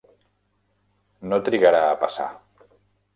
No trigarà a passar.